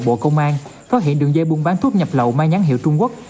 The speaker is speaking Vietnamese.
bộ công an phát hiện đường dây buôn bán thuốc nhập lậu mang nhãn hiệu trung quốc